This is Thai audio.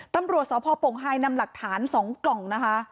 ตำรวจสพปงไฮนำหลักฐาน๒กล่องนะคะ